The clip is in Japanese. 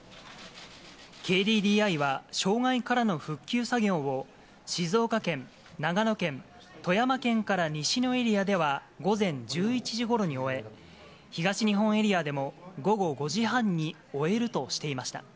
ＫＤＤＩは障害からの復旧作業を、静岡県、長野県、富山県から西のエリアでは午前１１時ごろに終え、東日本エリアでも、午後５時半に終えるとしていました。